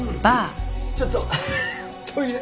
ちょっとトイレ。